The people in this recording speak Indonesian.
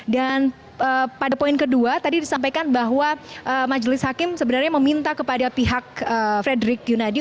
dan pada poin kedua tadi disampaikan bahwa majelis hakim sebenarnya meminta kepada pihak fredrik yunadi